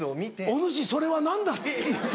「お主それは何だ？」って言うた。